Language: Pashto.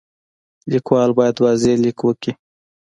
لیکوال باید واضح لیک وکړي.